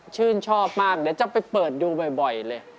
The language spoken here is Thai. ชื่นชอบมากเดี๋ยวจะไปเปิดดูบ่อยเลย